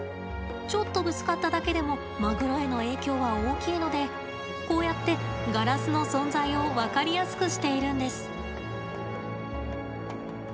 ちょっとぶつかっただけでもマグロへの影響は大きいのでこうやって、ガラスの存在を分かりやすくしているんです。